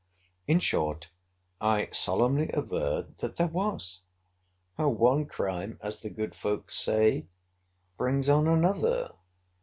In short, I solemnly averred that there was!—How one crime, as the good folks say, brings on another!